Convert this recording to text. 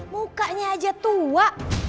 mukanya aja tua